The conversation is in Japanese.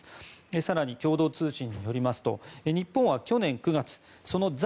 更に、共同通信によりますと日本は去年９月在